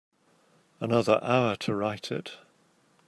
Another hour to write it.